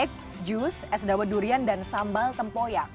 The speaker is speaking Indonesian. pancake juice es dawet durian dan sambal tempoyak